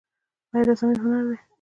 آیا رسامي هنر دی؟